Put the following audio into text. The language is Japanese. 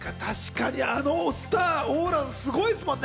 確かにあのスター、オーラすごいですもんね。